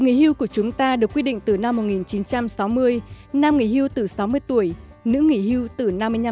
nếu không có tuổi nghỉ hưu